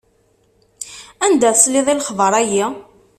Anda tesliḍ i lexber-ayi?